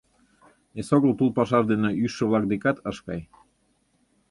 Эсогыл тул пашаж дене ӱжшӧ-влак декат ыш кай.